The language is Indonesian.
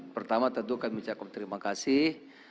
pertama tentu kami ucapkan terima kasih